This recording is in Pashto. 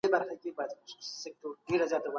پوهان باید له خپلې تجربې څخه کار واخلي.